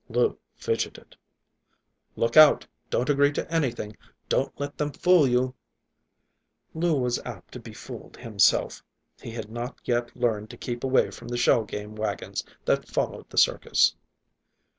Lou fidgeted. "Look out! Don't agree to anything. Don't let them fool you." Lou was apt to be fooled himself. He had not yet learned to keep away from the shell game wagons that followed the circus.